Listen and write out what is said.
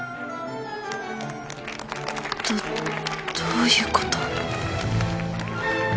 どどういうこと？